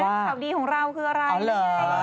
เขาดีของเราคืออะไรเอาเลย